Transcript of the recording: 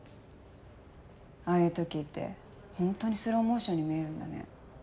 ああいう時ってホントにスローモーションに見えるんだね。